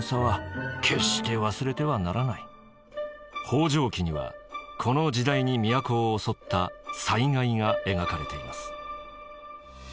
「方丈記」にはこの時代に都を襲った災害が描かれています。